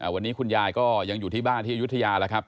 วันนี้คุณยายก็ยังอยู่ที่บ้านที่อายุทยาแล้วครับ